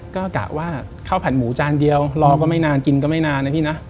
ก็กะว่าข้าวผัดหมูจานเดียวรอก็ไม่นานกินก็ไม่นานนะพี่นะ